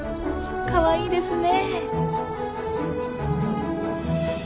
かわいいですね。